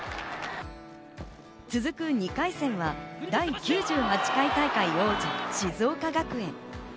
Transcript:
続く２回戦は第９８回大会王者・静岡学園。